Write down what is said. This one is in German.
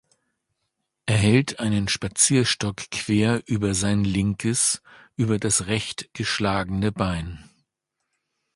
Er hält einen Spazierstock quer über sein linkes, über das recht geschlagene Bein.